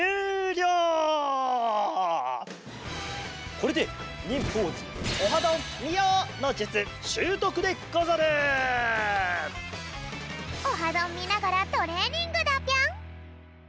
これで「オハどん！」みながらトレーニングだぴょん。